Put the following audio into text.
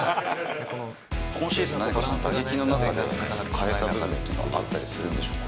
今シーズン、打撃の中で何か変えた部分というのはあったりするんでしょうか。